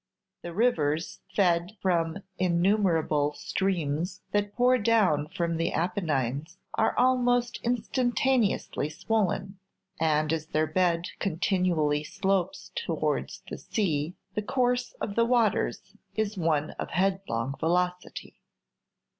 The rivers, fed from innumerable streams that pour down from the Apennines, are almost instantaneously swollen; and as their bed continually slopes towards the sea, the course of the waters is one of headlong velocity.